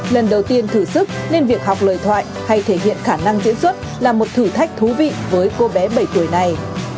lần đầu tiên thử sức nên việc học lời thoại hay thể hiện khả năng diễn xuất là một thử thách thú vị với cô bé bảy tuổi này